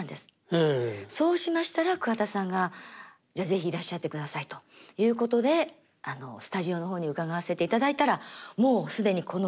そうしましたら桑田さんがじゃ是非いらっしゃってくださいということでスタジオの方に伺わせていただいたらもう既にこの歌が。